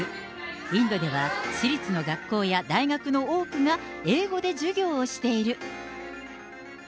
インドでは、私立の学校や大学の多くが英語で授業をしている。